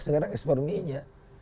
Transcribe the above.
sekarang ekspor minyak